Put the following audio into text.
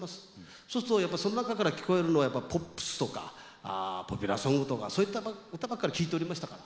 そうするとやっぱりそん中から聞こえるのはやっぱりポップスとかポピュラーソングとかそういった歌ばっかり聴いておりましたから。